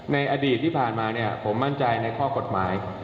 ในอดีตที่ผ่านมาผมมั่นใจในข้อกฎหมาย